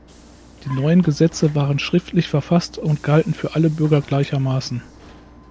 Die neuen Gesetze waren schriftlich verfasst und galten für alle Bürger gleichermaßen.